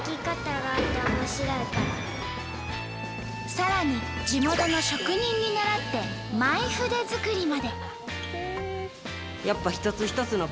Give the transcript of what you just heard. さらに地元の職人に習ってＭｙ筆作りまで。